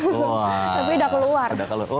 tapi udah keluar